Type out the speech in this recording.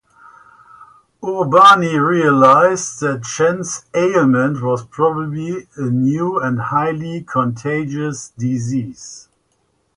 Urbani realized that Chen's ailment was probably a new and highly contagious disease.